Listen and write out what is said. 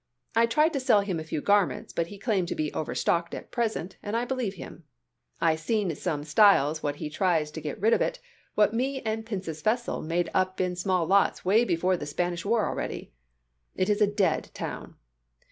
I tried to sell him a few garments but he claims to be overstocked at present and I believe him. I seen some styles what he tries to get rid of it what me & Pincus Vesell made up in small lots way before the Spanish war already. It is a dead town.